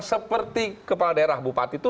seperti kepala daerah bupati itu